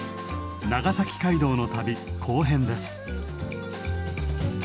長崎街道の旅後編です。